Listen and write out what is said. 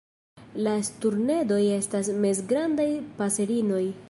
La sturnedoj estas mezgrandaj paserinoj.